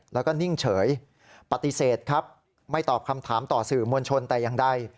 แล้วก็นิ่งเฉยปฏิเสธครับไม่ตอบคำถามต่อสื่อมวลชนแต่อย่างใด